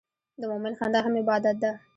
د مؤمن خندا هم عبادت ده.